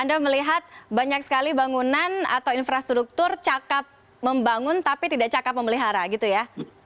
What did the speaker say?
anda melihat banyak sekali bangunan atau infrastruktur cakep membangun tapi tidak cakep memelihara gitu ya